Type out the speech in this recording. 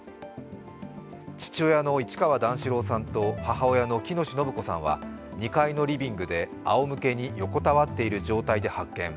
父親の市川段四郎さんと母親の喜熨斗延子さんは２階のリビングであおむけに横たわっている状態で発見。